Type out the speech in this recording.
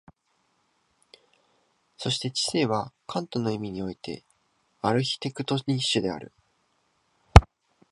そして知性はカントの意味においてアルヒテクトニッシュである。